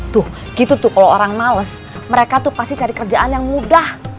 tuh gitu tuh kalau orang males mereka tuh pasti cari kerjaan yang mudah